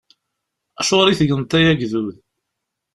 Acuɣeṛ i tegneḍ ay agdud?